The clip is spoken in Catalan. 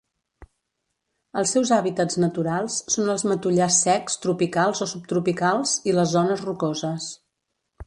Els seus hàbitats naturals són els matollars secs tropicals o subtropicals i les zones rocoses.